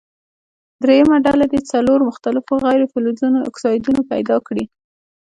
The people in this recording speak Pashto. دریمه ډله دې څلور مختلفو غیر فلزونو اکسایدونه پیداکړي.